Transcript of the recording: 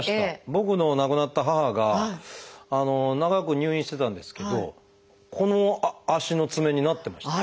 僕の亡くなった母が長く入院してたんですけどこの足の爪になってました。